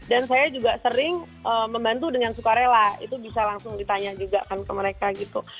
dan saya juga sering membantu dengan sukarela itu bisa langsung ditanya juga kan ke mereka gitu